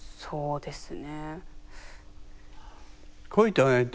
そうですね。